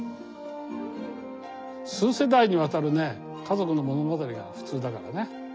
数世代にわたるね家族の物語が普通だからね。